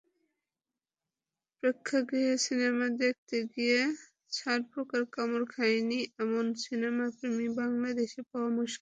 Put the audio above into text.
প্রেক্ষাগৃহে সিনেমা দেখতে গিয়ে ছারপোকার কামড় খাননি এমন সিনেমাপ্রেমী বাংলাদেশে পাওয়া মুশকিল।